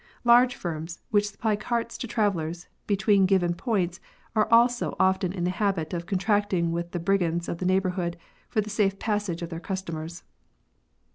Large firms, which supply carts to travellers between given points, are also often in the habit of contracting with the brigands of the neighbourhood for the safe passage of their customers.